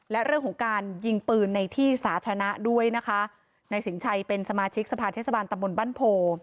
และเรื่องของการยิงปืนในที่สาธารณะด้วยนะคะนายสินชัยเป็นสมาชิกสภาเทศบาลตำบลบ้านโพ